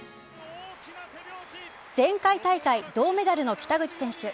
前回大会、銅メダルの北口選手。